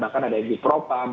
bahkan ada di propam